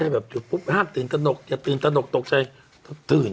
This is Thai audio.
ไม่ใช่แบบอยู่ปุ๊บห้ามตื่นตนกอยากตื่นตนกตกใจตื่น